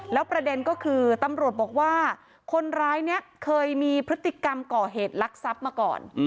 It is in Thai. แล้วประเด็นก็คือตำรวจบอกว่าคนร้ายนี้เคยมีพฤติกรรมก่อเหตุลักษัพมาก่อน